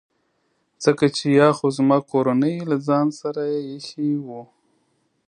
ځکه چي یا خو زما کورنۍ له ځان سره ایښي وو.